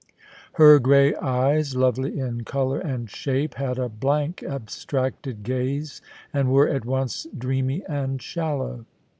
Her grey eyes, lovely in colour aad «hape, had a blank abstracted gaze, and were at once dreamy and shallow.